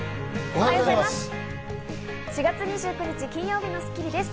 おはようございます。